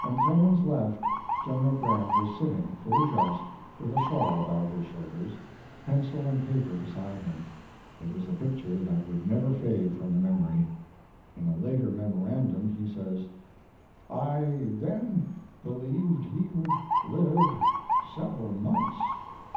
When Clemens left, General Grant was sitting, fully dressed, with a shawl about his shoulders, pencil and paper beside him. It was a picture that would never fade from the memory. In a later memorandum he says: I then believed he would live several months.